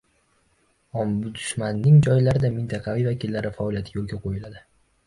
Ombudsmanning joylarda mintaqaviy vakillari faoliyati yo‘lga qo‘yiladi